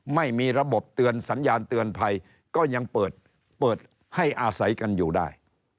ไม่มีระบบเตือนสัญญาณเตือนภัยก็ยังเปิดเปิดให้อาศัยกันอยู่ได้